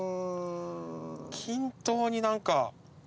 均等に何か。